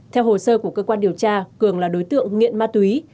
theo hồ sơ của cơ quan điều tra cường là đối tượng nghiện ma túy